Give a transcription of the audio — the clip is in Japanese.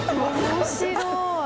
面白い。